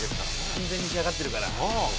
「完全に仕上がってるから」